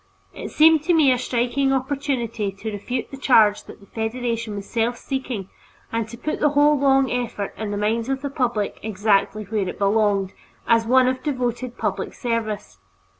It seemed to me a striking opportunity to refute the charge that the Federation was self seeking and to put the whole long effort in the minds of the public, exactly where it belonged, as one of devoted public service.